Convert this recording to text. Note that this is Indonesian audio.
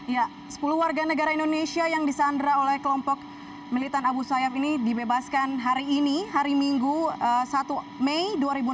ya sepuluh warga negara indonesia yang disandra oleh kelompok militan abu sayyaf ini dibebaskan hari ini hari minggu satu mei dua ribu enam belas